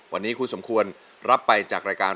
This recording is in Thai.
วันนี้คุณสมควรรับไปจากรายการ